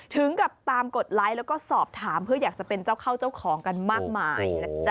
ถึงกับตามกดไลค์แล้วก็สอบถามเพื่ออยากจะเป็นเจ้าเข้าเจ้าของกันมากมายนะจ๊ะ